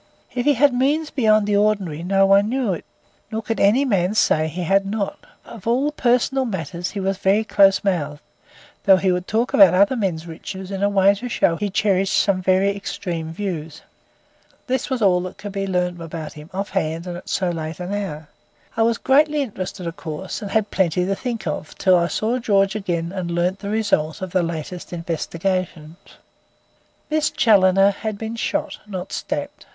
If he had means beyond the ordinary no one knew it, nor could any man say that he had not. On all personal matters he was very close mouthed, though he would talk about other men's riches in a way to show that he cherished some very extreme views. This was all which could be learned about him off hand, and at so late an hour. I was greatly interested, of course, and had plenty to think of till I saw George again and learned the result of the latest investigations. Miss Challoner had been shot, not stabbed.